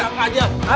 eh enak aja